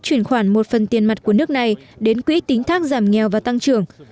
chuyển khoản một phần tiền mặt của nước này đến quỹ tính thác giảm nghèo và tăng trưởng